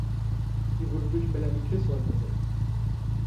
Sie wurde durch Melanie Chisholm ersetzt.